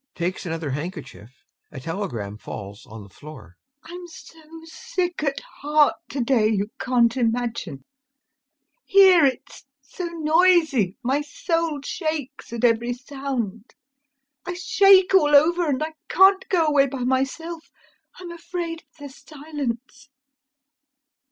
[Takes another handkerchief, a telegram falls on the floor] I'm so sick at heart to day, you can't imagine. Here it's so noisy, my soul shakes at every sound. I shake all over, and I can't go away by myself, I'm afraid of the silence.